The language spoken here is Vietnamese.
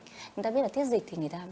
người ta biết là tiết dịch thì người ta